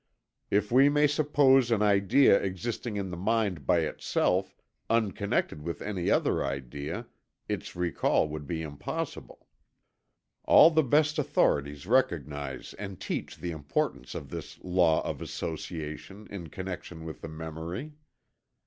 If we may suppose an idea existing in the mind by itself, unconnected with any other idea, its recall would be impossible." All the best authorities recognize and teach the importance of this law of association, in connection with the memory.